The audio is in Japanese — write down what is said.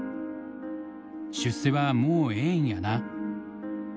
「出世はもうええんやな」。